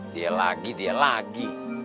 dia lagi dia lagi